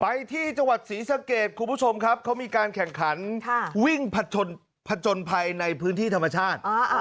ไปที่จังหวัดศรีสะเกดคุณผู้ชมครับเขามีการแข่งขันวิ่งผจญภัยในพื้นที่ธรรมชาติ